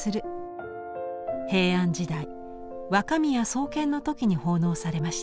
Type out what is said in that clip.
平安時代若宮創建の時に奉納されました。